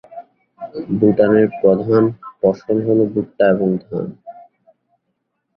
ভুটানের প্রধান দুটি ফসল হল ভুট্টা এবং ধান।